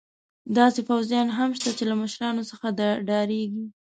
داسې پوځیان هم شته چې له مشرانو څخه ډارېږي.